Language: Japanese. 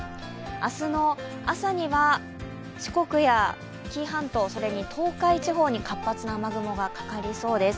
明日の朝には四国や紀伊半島、東海地方に活発な雨雲がかかりそうです。